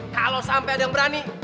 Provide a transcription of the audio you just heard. kalau sampai ada yang berani